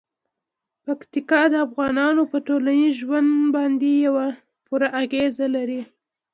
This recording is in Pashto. پکتیکا د افغانانو په ټولنیز ژوند باندې پوره اغېز لري.